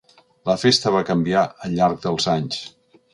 La festa va canviar al llarg dels anys.